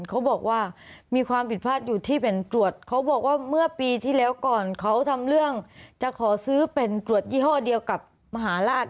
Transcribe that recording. เขาบอกว่ามีความผิดพลาดอยู่ที่เป็นตรวจเขาบอกว่าเมื่อปีที่แล้วก่อนเขาทำเรื่องจะขอซื้อเป็นตรวจยี่ห้อเดียวกับมหาราช